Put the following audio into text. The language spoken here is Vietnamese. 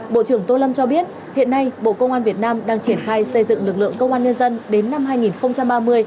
bộ trưởng tô lâm cho biết hiện nay bộ công an việt nam đang triển khai xây dựng lực lượng công an nhân dân đến năm hai nghìn ba mươi